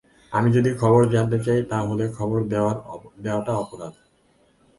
আমি যদি খবর জানতে চাই তা হলে খবর দেওয়াটা অপরাধ?